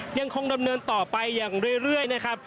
ยังคงดำเนินต่อไปอย่างเรื่อยนะครับ